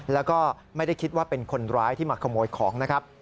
แล้วก็ไม่ได้คิดว่าเป็นคนร้ายที่มาขโมยของนะครับ